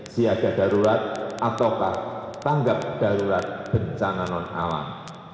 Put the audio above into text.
siada darurat ataukah tanggap darurat bencangan non awan